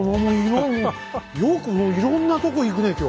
よくいろんなとこ行くね今日。